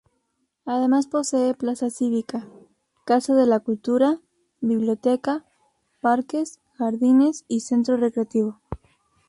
Además posee plaza cívica, casa de la cultura, biblioteca, parques, jardines y centro recreativo.